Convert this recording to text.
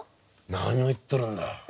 何を言っとるんだ。